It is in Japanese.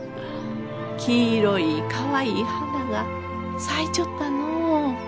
黄色いかわいい花が咲いちょったのう。